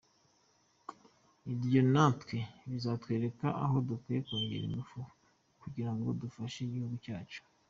Ibyo natwe bizatwereka aho dukwiye kongera ingufu kugira ngo dufashe igihugu cyacu.